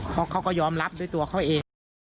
เพราะเขาก็ยอมรับด้วยตัวเขาเอง